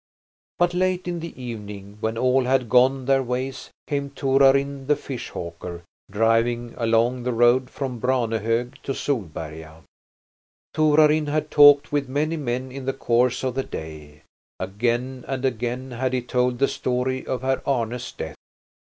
But late in the evening, when all had gone their ways, came Torarin the fish hawker driving along the road from Branehog to Solberga. Torarin had talked with many men in the course of the day; again and again had he told the story of Herr Arne's death.